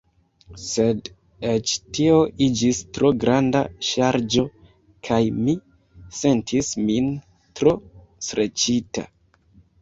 Sed eĉ tio iĝis tro granda ŝarĝo kaj mi sentis min tro streĉita.